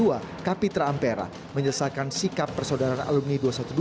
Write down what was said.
kapitra ampera menyelesaikan sikap persaudaraan alumni dua ratus dua belas